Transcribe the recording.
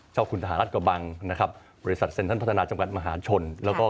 เจ้าคุณฐานรัฐกบังบริษัทเซ็นต์ท่านพัฒนาจำกัดมหาชน